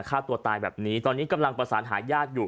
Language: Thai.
ฆ่าตัวตายแบบนี้ตอนนี้กำลังประสานหาญาติอยู่